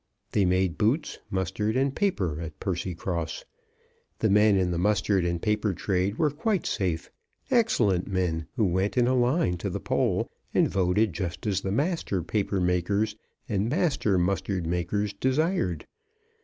They made boots, mustard, and paper at Percycross. The men in the mustard and paper trade were quite safe; excellent men, who went in a line to the poll, and voted just as the master paper makers and master mustard makers desired.